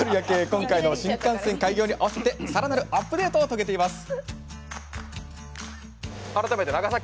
今回の新幹線開業に合わせさらなるアップデートを遂げています。